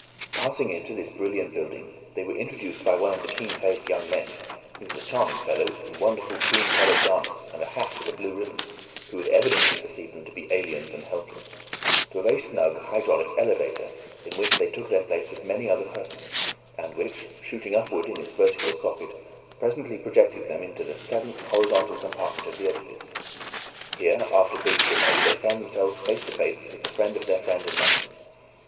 Passing into this brilliant building, they were introduced by one of the keen faced young men he was a charming fellow, in wonderful cream colored garments and a hat with a blue ribbon, who had evidently perceived them to be aliens and helpless to a very snug hydraulic elevator, in which they took their place with many other persons, and which, shooting upward in its vertical socket, presently projected them into the seventh horizontal compartment of the edifice. Here, after brief delay, they found themselves face to face with the friend of their friend in London.